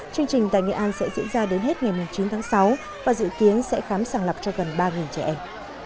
chương trình tại nghệ an sẽ diễn ra đến hết ngày chín tháng sáu và dự kiến sẽ khám sàng lọc cho gần ba trẻ em